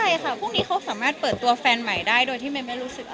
ใช่ค่ะพรุ่งนี้เขาสามารถเปิดตัวแฟนใหม่ได้โดยที่เมย์ไม่รู้สึกอะไร